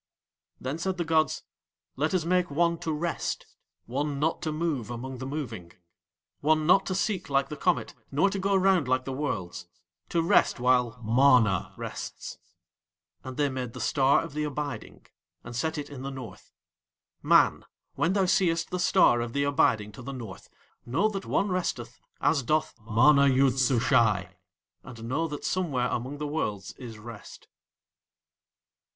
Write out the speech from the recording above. Then said the gods: "Let Us make one to rest. One not to move among the moving. One not to seek like the comet, nor to go round like the worlds; to rest while MANA rests." And They made the Star of the Abiding and set it in the North. Man, when thou seest the Star of the Abiding to the North, know that one resteth as doth MANA YOOD SUSHAI, and know that somewhere among the Worlds is rest.